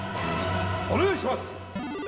お願いします。